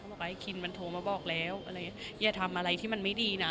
บอกไอคินมันโทรมาบอกแล้วอะไรอย่างนี้อย่าทำอะไรที่มันไม่ดีนะ